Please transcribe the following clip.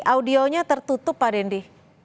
audionya tertutup pak dendi